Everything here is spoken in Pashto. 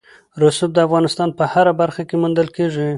رسوب د افغانستان په هره برخه کې موندل کېږي.